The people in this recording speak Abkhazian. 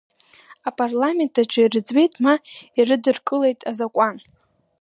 Апарламент аҿы ирыӡбеит, ма ирыдыркылеит Азакәан…